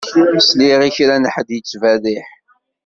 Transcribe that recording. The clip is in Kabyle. Sliɣ i kra n ḥedd yettberriḥ.